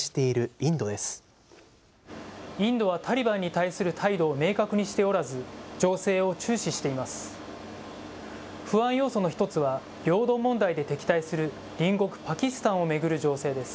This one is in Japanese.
インドはタリバンに対する態度を明確にしておらず、情勢を注視しています。